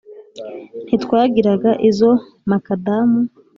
ntitwagiraga izo makadamu